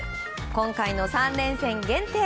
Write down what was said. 今回の３連戦限定